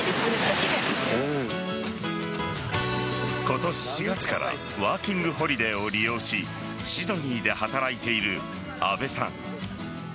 今年４月からワーキングホリデーを利用しシドニーで働いている阿部さん。